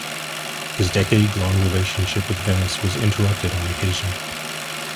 His decade-long relationship with Venice was interrupted on occasion.